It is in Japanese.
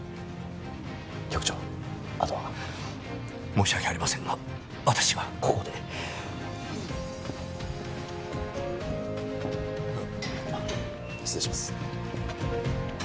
局長あとは申し訳ありませんが私はここであああっ失礼します